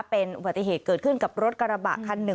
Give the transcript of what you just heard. เป็นอุบัติเหตุเกิดขึ้นกับรถกระบะคันหนึ่ง